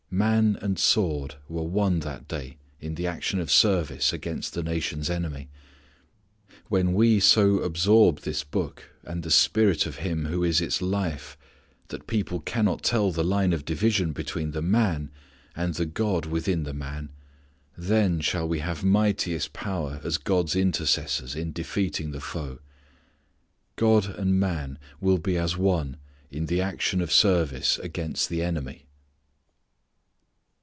Man and sword were one that day in the action of service against the nation's enemy. When we so absorb this Book, and the Spirit of Him who is its life that people cannot tell the line of division between the man, and the God within the man, then shall we have mightiest power as God's intercessors in defeating the foe. God and man will be as one in the action of service against the enemy.